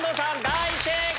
大正解！